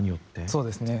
そうですね。